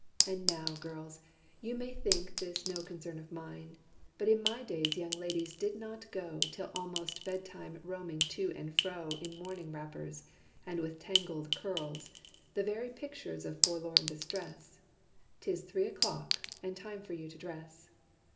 And now, girls, You may think this is no concern of mine, But in my day young ladies did not go, Till almost bed time roaming to and fro In morning wrappers, and with tangled curls, The very pictures of forlorn distress. 'Tis three o'clock, and time for you to dress.